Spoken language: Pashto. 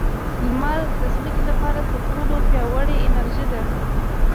• لمر د ځمکې لپاره تر ټولو پیاوړې انرژي ده.